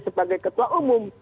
sebagai ketua umum